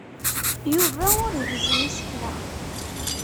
Yuba ur igezzem isekla.